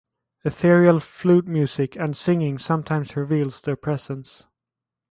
Ethereal flute music and singing sometimes reveals their presence.